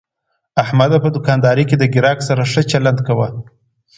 احمد کرار دفتر کې ناست وي، یووازې یوسه راوړه کوي، ښه حکم یې چلېږي.